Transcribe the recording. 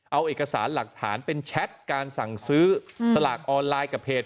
เอาเอกสารหลักฐานเป็นแชทการสั่งซื้อสลากออนไลน์กับเพจ